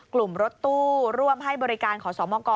กลุ่มรถตู้ร่วมให้บริการขอสมก